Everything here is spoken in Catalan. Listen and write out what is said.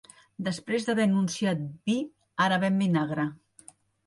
Després d'haver anunciat vi, ara ven vinagre